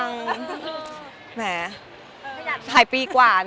เนื้อหาดีกว่าน่ะเนื้อหาดีกว่าน่ะ